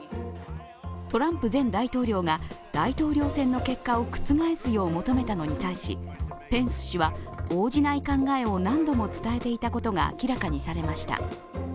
トランプ前大統領が大統領選の結果を覆すよう求めたのに対しペンス氏は応じない考えを何度も伝えていたことが明らかにされました。